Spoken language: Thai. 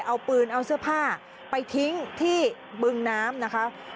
เอาปืนเอาเสื้อผ้าไปทิ้งที่บึงน้ำนะคะ